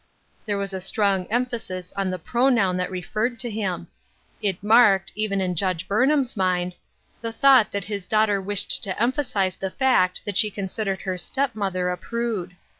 There was a strong emphasis on the pronoun that referred to him. It marked, even in Judge Burnham's mind, the thought that his daughter wished to emphasize the fact that she considered her step mother a prude.